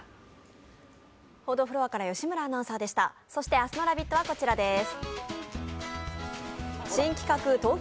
そして明日の「ラヴィット！」はこちらです。